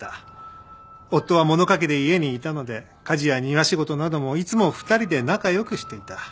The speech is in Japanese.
夫は物書きで家にいたので家事や庭仕事などもいつも２人で仲良くしていた。